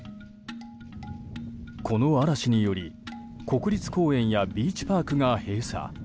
この嵐により国立公園やビーチパークが閉鎖。